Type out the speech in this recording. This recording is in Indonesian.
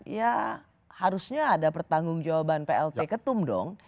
ya harusnya ada pertanggung jawaban plt ketum dong